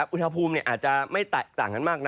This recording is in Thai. อุทธภูมิอาจจะไม่ต่างกันมาก